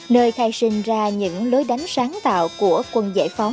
nơi thay sinh ra những lối đánh sáng tạo của quân